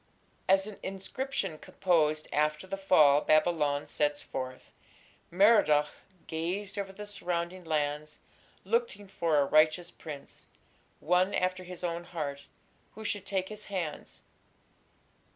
As an inscription composed after the fall of Babylon sets forth; Merodach "gazed over the surrounding lands ... looking for a righteous prince, one after his own heart, who should take his hands....